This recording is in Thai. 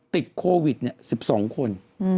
ติดโควิดเนี่ย๑๒คน